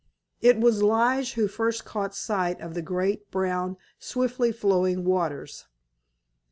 It was Lige who first caught sight of the great brown swiftly flowing waters.